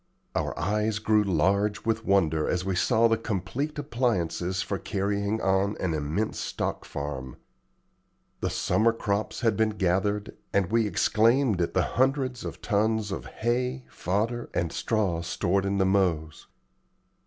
Our eyes grew large with wonder as we saw the complete appliances for carrying on an immense stock farm. The summer crops had been gathered, and we exclaimed at the hundreds of tons of hay, fodder, and straw stored in the mows.